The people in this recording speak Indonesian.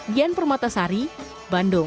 gian permata sari bandung